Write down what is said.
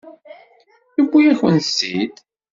Yewwi-yakent-t-id.